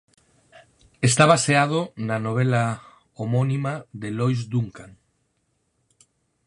Está baseado na novela homónima de Lois Duncan.